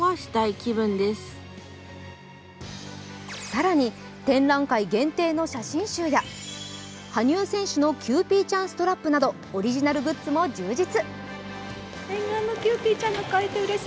更に展覧会限定の写真集や羽生選手のキューピーちゃんストラップなどオリジナルグッズも充実。